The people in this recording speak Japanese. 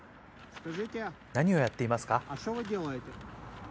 何をやっていますか？